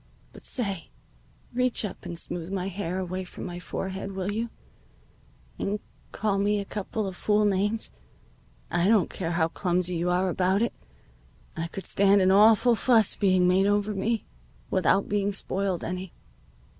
But say, reach up and smooth my hair away from my forehead, will you, and call me a couple of fool names. I don't care how clumsy you are about it. I could stand an awful fuss being made over me, without being spoiled any."